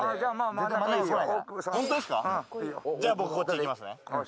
じゃあ僕こっち行きますね。